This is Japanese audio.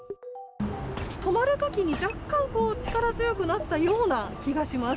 止まる時に若干力強くなったような気がします。